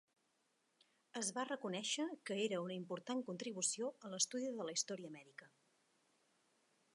Es va reconèixer que era una important contribució a l'estudi de la història mèdica.